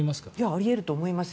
あり得ると思いますよ。